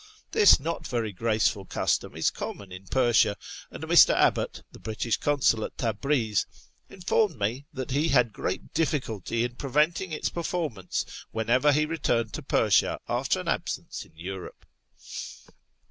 This not very graceful custom is common in Persia, and Mr. Abbott, the British Consul at Tabriz, informed me that he had great difficulty in preventing its performance whenever he returned to Persia after an absence in Europe.